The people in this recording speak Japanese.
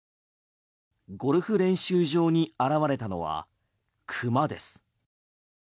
ゴルフ練習場に現れたのは熊です。